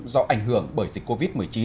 do ảnh hưởng bởi dịch covid một mươi chín